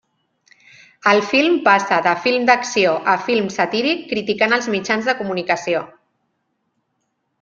El film passa de film d'acció a film satíric, criticant els mitjans de comunicació.